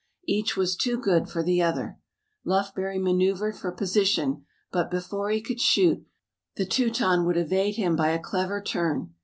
Each was too good for the other. Lufbery manoeuvred for position but, before he could shoot, the Teuton would evade him by a clever turn.